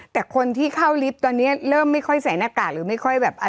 แต่คนที่เข้าลิฟต์ตอนนี้เริ่มไม่ค่อยใส่หน้ากากหรือไม่ค่อยแบบ